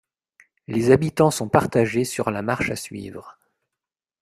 Les habitants sont partagés sur la marche à suivre.